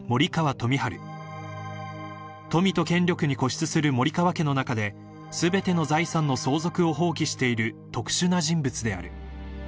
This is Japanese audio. ［富と権力に固執する森川家の中で全ての財産の相続を放棄している特殊な人物である］